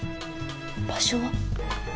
場所は？